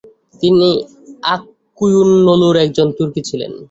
তিনি আক-কুয়ুনলুর একজন তুর্কী ছিলেন।